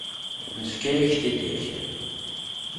Nefka-yak-t-id yakan.